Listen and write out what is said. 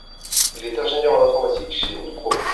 Il est ingénieur en informatique chez WIPRO.